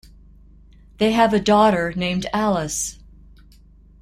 They have a daughter named Alice.